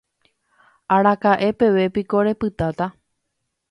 Araka'e peve piko repytáta.